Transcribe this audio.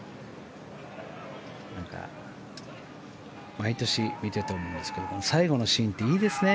毎年、診ていて思うんですけど最後のシーンっていいですね。